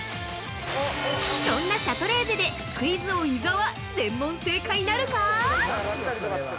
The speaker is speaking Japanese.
そんなシャトレーゼでクイズ王・伊沢全問正解なるか！？